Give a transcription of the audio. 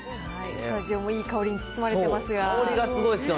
スタジオもいい香りに包まれてますが。